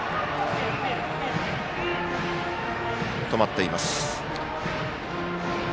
止まっています。